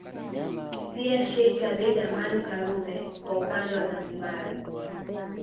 Pia Sheikh Abeid Amani Karume kwa upande wa Zanzibari